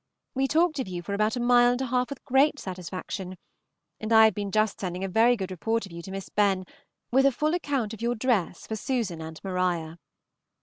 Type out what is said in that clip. We talked of you for about a mile and a half with great satisfaction; and I have been just sending a very good report of you to Miss Benn, with a full account of your dress for Susan and Maria.